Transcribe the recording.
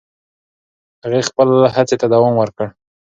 هغې خپل هڅې ته دوام ورکړ.